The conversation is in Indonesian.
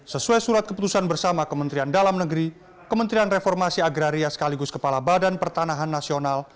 sesuai surat keputusan bersama kementerian dalam negeri kementerian reformasi agraria sekaligus kepala badan pertanahan nasional